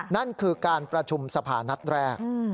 นั่นคือการประชุมสภานัดแรก